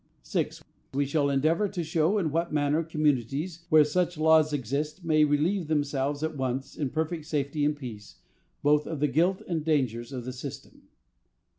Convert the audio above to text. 6. We shall then endeavor to show in what manner communities where such laws exist may relieve themselves at once, in perfect safety and peace, both of the guilt and dangers of the system.